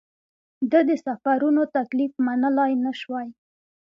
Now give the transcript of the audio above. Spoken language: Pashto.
ده د سفرونو تکلیف منلای نه شوای.